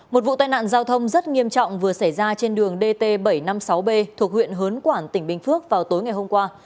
một vụ tai nạn giao thông rất nghiêm trọng vừa xảy ra trên đường dt bảy trăm năm mươi sáu b thuộc huyện hớn quản tỉnh bình phước vào tối ngày hôm qua